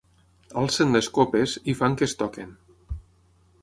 Alcen les copes i fan que es toquin.